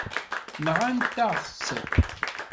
Nɣant-aɣ-tt.